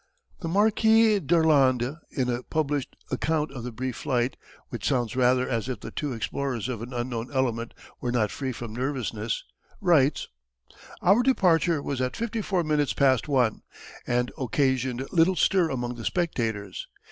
The Marquis d'Arlandes in a published account of the brief flight, which sounds rather as if the two explorers of an unknown element were not free from nervousness, writes: "Our departure was at fifty four minutes past one, and occasioned little stir among the spectators.